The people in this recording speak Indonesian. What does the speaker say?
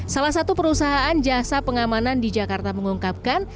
salah satu perusahaan jasa pengamanan di jakarta mengungkapkan